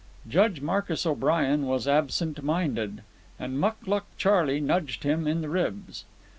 Judge Marcus O'Brien was absent minded, and Mucluc Charley nudged him in the ribs.